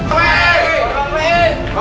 bapak i bapak i